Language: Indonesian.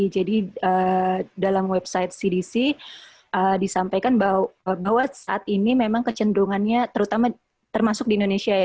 jadi dalam website cdc disampaikan bahwa saat ini memang kecenderungannya terutama termasuk di indonesia ya